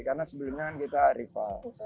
karena sebelumnya kita rival